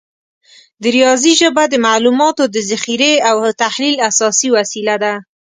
د ریاضي ژبه د معلوماتو د ذخیره او تحلیل اساسي وسیله ده.